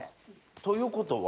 ということは？